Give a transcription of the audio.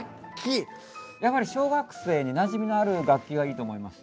やはり小学生になじみのある楽器がいいと思います。